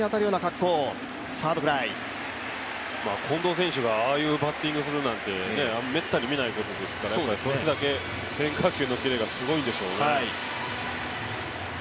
近藤選手がああいうバッティングするなんてめったに見ないことですからそれだけ変化球のキレがすごいんでしょうね。